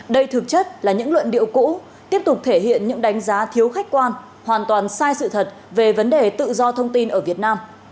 đây thực chất là những luận điệu cũ tiếp tục thể hiện những đánh giá thiếu khách quan hoàn toàn sai sự thật về vấn đề tự do thông tin ở việt nam